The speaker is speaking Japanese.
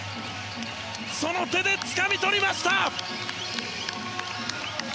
その手でつかみ取りました！